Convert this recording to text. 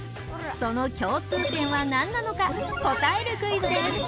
その共通点は何なのか答えるクイズです。